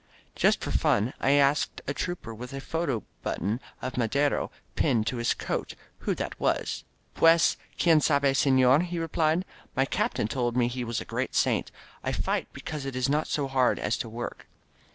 Just for fun I asked a trooper with a photo button of Madero pinned to his coat who that was. "PtieSy quien sabe^ sefiorf* he replied. "My captain told me he was a great saint. I fight because it is not so hard as to work."